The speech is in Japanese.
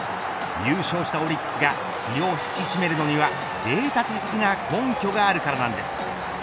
優勝したオリックスが気を引き締めるのにはデータ的な根拠があるからなんです。